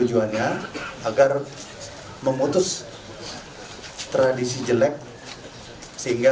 saat dukungan yang ada di sebenarnya prime ministerial delunasino di ustaz khay sensitiva